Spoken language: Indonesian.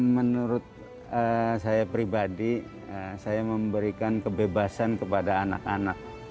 menurut saya pribadi saya memberikan kebebasan kepada anak anak